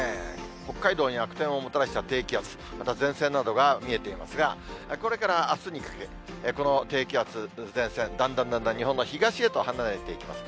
北海道に悪天をもたらした低気圧、また前線などが見えていますが、これからあすにかけ、この低気圧、前線、だんだんだんだん日本の東へと離れていきます。